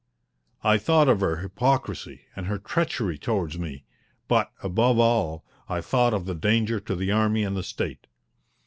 I thought of her hypocrisy and her treachery towards me, but, above all, I thought of the danger to the Army and the State.